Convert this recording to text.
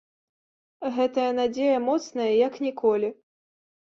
Гэтая надзея моцная як ніколі.